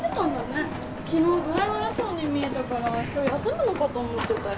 昨日具合悪そうに見えたから今日休むのかと思ってたよ。